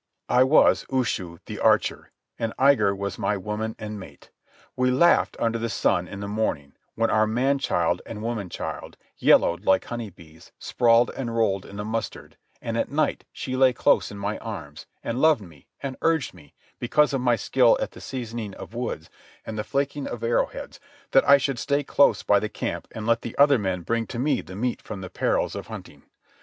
I was Ushu, the archer, and Igar was my woman and mate. We laughed under the sun in the morning, when our man child and woman child, yellowed like honey bees, sprawled and rolled in the mustard, and at night she lay close in my arms, and loved me, and urged me, because of my skill at the seasoning of woods and the flaking of arrow heads, that I should stay close by the camp and let the other men bring to me the meat from the perils of hunting.